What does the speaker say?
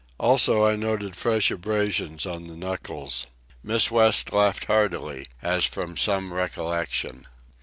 Also, I noted fresh abrasions on the knuckles. Miss West laughed heartily, as from some recollection.